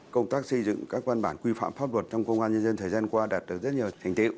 công tác xây dựng các văn bản quy phạm pháp luật trong công an nhân dân thời gian qua đạt được rất nhiều thành tiệu